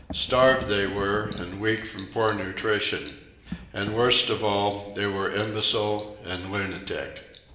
Starved they were, and weak from poor nutrition. And worst of all, they were imbecile and lunatic.